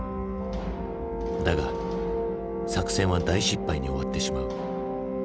だが作戦は大失敗に終わってしまう。